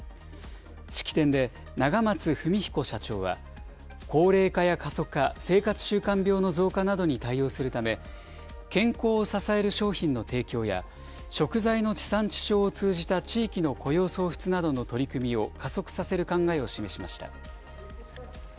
式典で永松文彦社長は、高齢化や過疎化、生活習慣病の増加などに対応するため、健康を支える商品の提供や、食材の地産地消を通じた地域の雇用創出などの取り組みを加速させる考えを示しました。